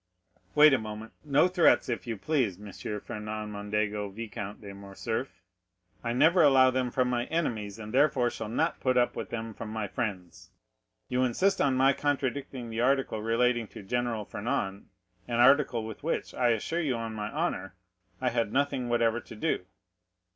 "Wait a moment—no threats, if you please, M. Fernand Mondego, Vicomte de Morcerf; I never allow them from my enemies, and therefore shall not put up with them from my friends. You insist on my contradicting the article relating to General Fernand, an article with which, I assure you on my word of honor, I had nothing whatever to do?"